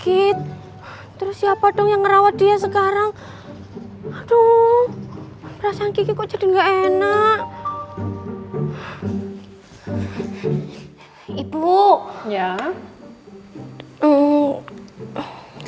iya dong harus makan banyak